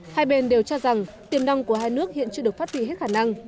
hai bên đều cho rằng tiềm năng của hai nước hiện chưa được phát huy hết khả năng